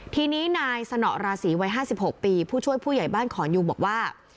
ทีนี้นายสนราศีวัย๕๖ปีผู้ช่วยผู้ใหญ่บ้านขอนยูบอกว่า